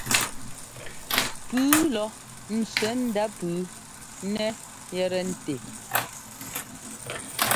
Pʉ́ʉ lɔ ńtsẅɛ́ ndá pʉ́ʉ nɛ yɛtɛ ńtɛ́.